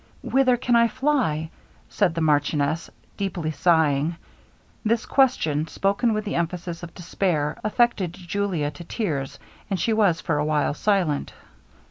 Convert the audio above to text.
'Whither can I fly?' said the marchioness, deeply sighing. This question, spoken with the emphasis of despair, affected Julia to tears, and she was for a while silent.